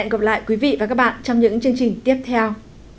hẹn gặp lại quý vị và các bạn trong những chương trình tiếp theo